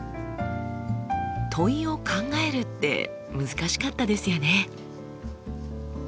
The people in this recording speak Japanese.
問いを考えるって難しかったですよね。